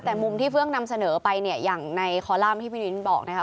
แต่มุมที่เฟื่องนำเสนอไปเนี่ยอย่างในคอลัมป์ที่พี่ลิ้นบอกนะคะ